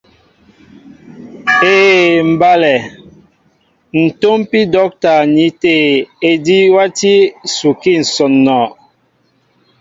Éē mbálɛ, ǹ tómpí dɔ́kita ní tê ejí e wátí ǹsukí ǹsɔǹɔ.